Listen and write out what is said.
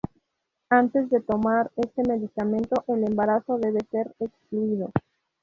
Antes de tomar este medicamento el embarazo debe ser excluido.